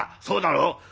「そうだろう？